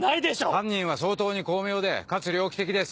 犯人は相当に巧妙でかつ猟奇的です。